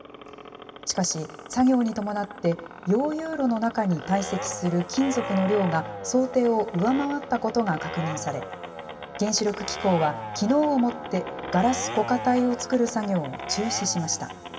しかし、作業に伴って溶融炉の中に堆積する金属の量が想定を上回ったことが確認され、原子力機構はきのうをもってガラス固化体を作る作業を中止しました。